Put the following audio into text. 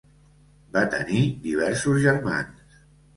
Va tenir diversos germans.